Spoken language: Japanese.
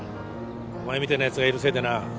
お前みたいなやつがいるせいでな